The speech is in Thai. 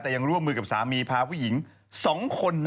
แต่ยังร่วมมือกับสามีพาผู้หญิง๒คน